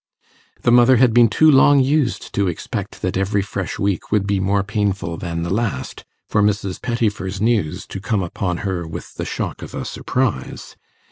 The mother had been too long used to expect that every fresh week would be more painful than the last, for Mrs. Pettifer's news to come upon her with the shock of a surprise.